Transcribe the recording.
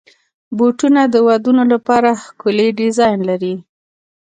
بوټونه د ودونو لپاره ښکلي ډیزاین لري.